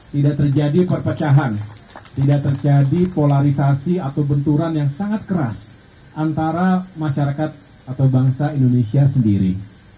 tidak terjadi perpecahan tidak terjadi polarisasi atau benturan yang sangat keras antara masyarakat atau bangsa indonesia sendiri